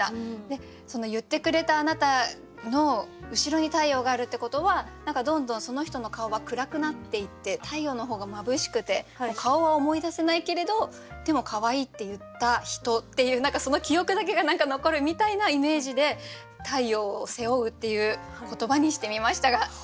「言ってくれたあなたの後ろに太陽がある」ってことは何かどんどんその人の顔は暗くなっていって太陽の方がまぶしくて顔は思い出せないけれどでも「可愛いって言った人」っていうその記憶だけが何か残るみたいなイメージで「太陽を背負う」っていう言葉にしてみましたがどうですか？